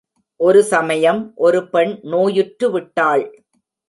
ஒரு சமயம், ஒரு பெண் நோயுற்று விட்டாள்.